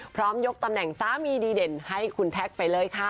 ยกตำแหน่งสามีดีเด่นให้คุณแท็กไปเลยค่ะ